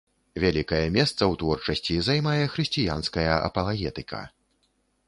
Вялікае месца ў творчасці займае хрысціянская апалагетыка.